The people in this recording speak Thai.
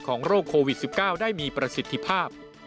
โรคโควิด๑๙ได้มีประสิทธิภาพ